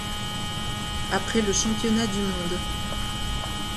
Après le championnat du monde.